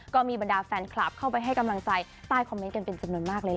ก็มีบรรดาแฟนคลับเข้าไปให้กำลังใจใต้คอมเมนต์กันเป็นจำนวนมากเลย